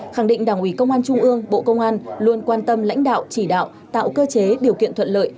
khẳng định đảng ủy công an trung ương bộ công an luôn quan tâm lãnh đạo chỉ đạo tạo cơ chế điều kiện thuận lợi